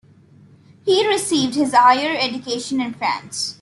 He received his higher education in France.